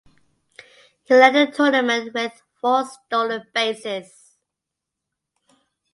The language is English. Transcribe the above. He led the tournament with four stolen bases.